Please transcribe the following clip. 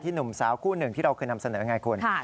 ที่หนุ่มสาวคู่หนึ่งที่เรานำเสนออย่างไรคุณ